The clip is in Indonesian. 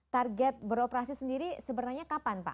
target beroperasi sendiri sebenarnya kapan pak